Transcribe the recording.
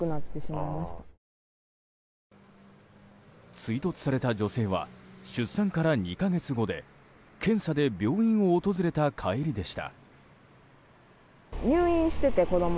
追突された女性は出産から２か月後で検査で病院を訪れた帰りでした。